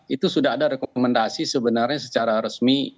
itu sudah ada rekomendasi sebenarnya secara resmi